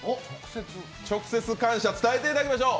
直接感謝を伝えていただきましょう。